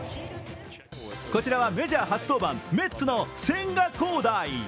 こちらはメジャー初登板、メッツの千賀滉大。